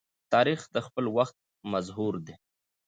تاریخ د خپل وخت مظهور دی.